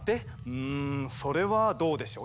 うんそれはどうでしょう。